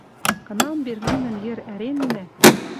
Кынам Берлинӹм йӹр ӓреннӓ